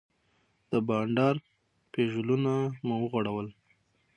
د بانډار پیژلونه مو وغوړول.